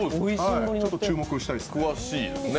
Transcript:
ちょっと注目したいですね。